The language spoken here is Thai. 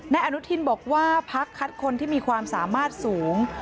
อนุทินบอกว่าพักคัดคนที่มีความสามารถสูง